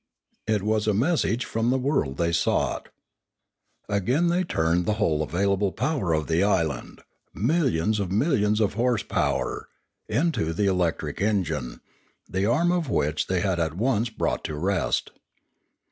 It was a message from the world they sought. Again they turned the whole available power of the island — millions of millions of horse power — into the electric engine, the arm of which they had at once brought to rest.